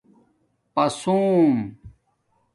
پسُوم